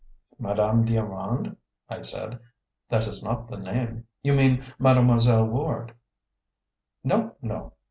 "Madame d'Armand?" I said. "That is not the name. You mean Mademoiselle Ward." "No, no!"